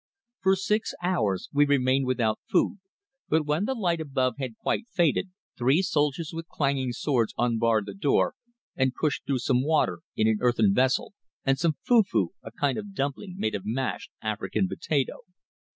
For six hours we remained without food, but when the light above had quite faded, three soldiers with clanging swords unbarred the door and pushed through some water in an earthen vessel and some fufu, a kind of dumpling made of mashed African potato.